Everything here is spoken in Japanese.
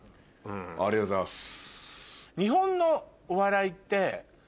ありがとうございます。